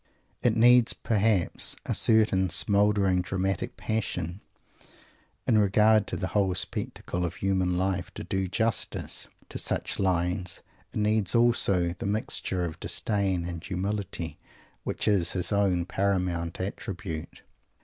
It needs, perhaps, a certain smouldering dramatic passion, in regard to the whole spectacle of human life, to do justice to such lines. It needs also that mixture of disdain and humility which is his own paramount attribute.